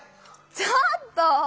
ちょっとぉ！